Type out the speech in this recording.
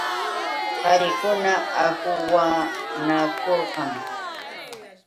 Qarikuna ahuwanakurqan.